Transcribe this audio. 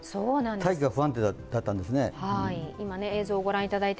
大気が不安定だったんですね。